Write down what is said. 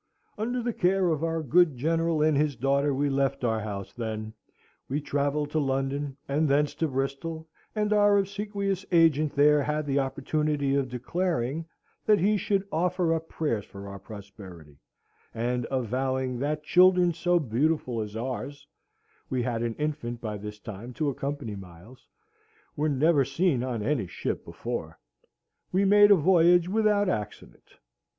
Under the care of our good General and his daughter we left our house, then; we travelled to London, and thence to Bristol, and our obsequious agent there had the opportunity of declaring that he should offer up prayers for our prosperity, and of vowing that children so beautiful as ours (we had an infant by this time to accompany Miles) were never seen on any ship before. We made a voyage without accident.